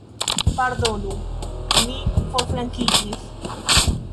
Pardonu, mi forflankiĝis.